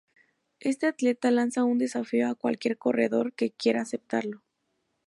Este atleta lanza un desafío a cualquier corredor que quiera aceptarlo.